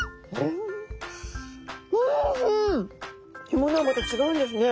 干物はまたちがうんですね。